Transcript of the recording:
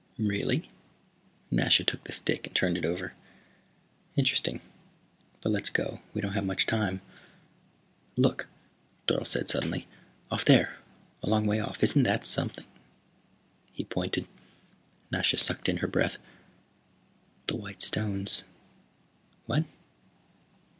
"Really?" Nasha took the stick and turned it over. "Interesting. But let's go; we don't have much time." "Look," Dorle said suddenly. "Off there, a long way off. Isn't that something?" He pointed. Nasha sucked in her breath. "The white stones." "What?"